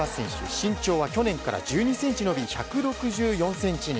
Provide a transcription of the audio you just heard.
身長は去年から１２ｃｍ伸び１６４ｃｍに。